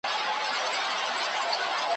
اوبه مو ګرمي دي په لاس کي مو ډوډۍ سړه ده `